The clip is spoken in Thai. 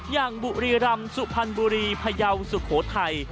อย่างบุรีรำสุภัณฑ์บุรีพะเยาสุโขทัย